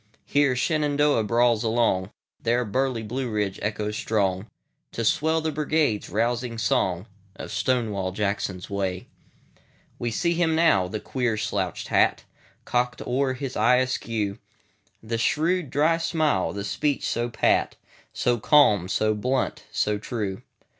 Here Shenandoah brawls along, There burly Blue Ridge echoes strong, To swell the Brigade's rousing song, Of Stonewall Jackson's Way.We see him now—the queer slouched hat, Cocked o'er his eye askew; The shrewd, dry smile; the speech so pat, So calm, so blunt, so true.